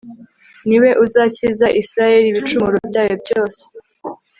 ni we uzakiza israheliibicumuro byayo byose